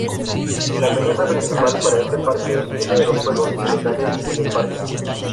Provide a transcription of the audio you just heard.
La amenaza principal para este parque viene de los fuegos ilegales en el parque.